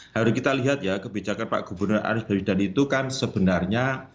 harus kita lihat ya kebijakan pak gubernur arief baswedan itu kan sebenarnya